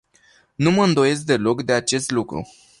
Nu mă îndoiesc deloc de acest lucru.